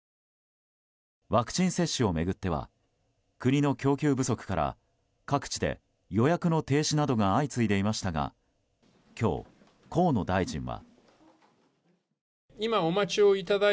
ワクチン接種を巡っては国の供給不足から各地で予約の停止などが相次いでいましたが今日、河野大臣は。